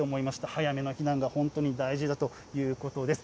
早めの避難が本当に大事だということです。